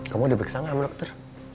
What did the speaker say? kamu diperiksa nggak dokter